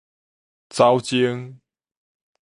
走精